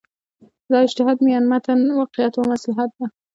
دا اجتهاد میان متن واقعیت و مصلحت ده.